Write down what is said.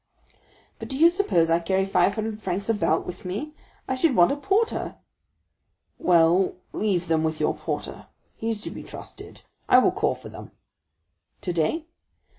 "But do you suppose I carry five hundred francs about with me? I should want a porter." "Well, leave them with your porter; he is to be trusted. I will call for them." "Today?"